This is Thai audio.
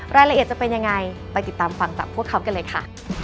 รายละเอียดจะเป็นยังไงไปติดตามฟังจากพวกเขากันเลยค่ะ